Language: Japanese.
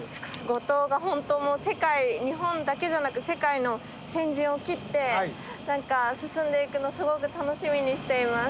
五島が本当もう日本だけじゃなく世界の先陣を切って何か進んでいくのすごく楽しみにしています。